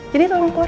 jadi tolong keluar